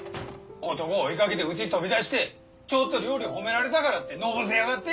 男を追いかけて家飛び出してちょっと料理褒められたからってのぼせ上がって！